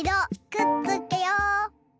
くっつけよう。